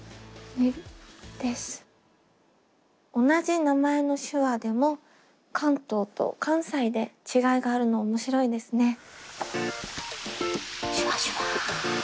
同じ名前の手話でも関東と関西で違いがあるの面白いですね。